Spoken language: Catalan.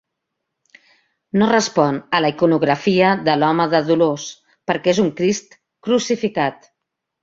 No respon a la iconografia de l'Home de dolors, perquè és un Crist crucificat.